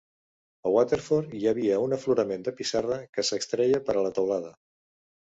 A Waterford hi havia un aflorament de pissarra que s'extreia per a la teulada.